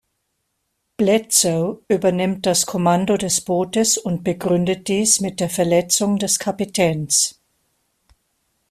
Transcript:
Bledsoe übernimmt das Kommando des Bootes und begründet dies mit der Verletzung des Kapitäns.